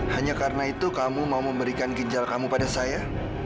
hanya karena itu kamu mau memberikan ginjal kamu pada saya